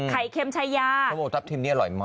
ไข่เค็มชายาทำโหลตับทิ้นนี่อร่อยมาก